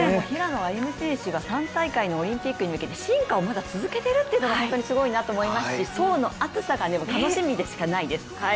平野歩夢選手が３大会のオリンピックに向けて進化をまだ続けているというのが本当にすごいなと思いますし層の厚さが楽しみでしかないです。